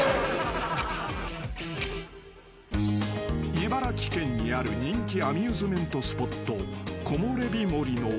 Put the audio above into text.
［茨城県にある人気アミューズメントスポット］